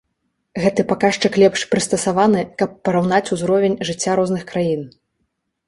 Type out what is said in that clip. Гэты паказчык лепш прыстасаваны, каб параўнаць узровень жыцця розных краін.